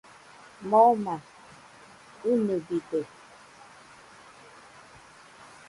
Moma inɨbide.